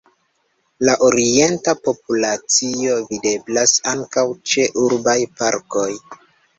La orienta populacio videblas ankaŭ ĉe urbaj parkoj.